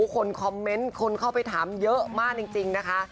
คนคอมเมนต์คนเข้าไปถามเยอะมากจริงนะคะ